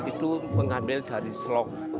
itu mengambil dari slok